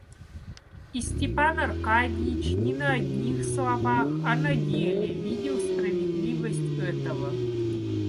И Степан Аркадьич не на одних словах, а на деле видел справедливость этого.